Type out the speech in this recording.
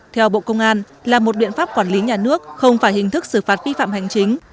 theo bộ công an là một biện pháp quản lý nhà nước không phải hình thức xử phạt vi phạm hành chính